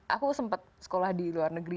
aku sempat sekolah di luar negeri